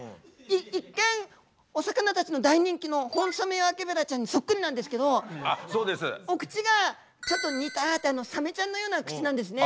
一見お魚たちの大人気のホンソメワケベラちゃんにそっくりなんですけどお口がちょっとニターッてサメちゃんのような口なんですね。